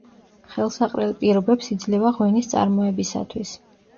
ხელსაყრელ პირობებს იძლევა ღვინის წარმოებისათვის.